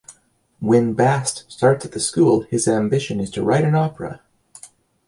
When Bast starts at the school his ambition is to write an opera.